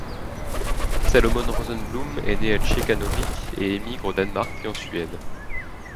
Salomon Rosenblum est né à Ciechanowiec et émigre au Danemark puis en Suède.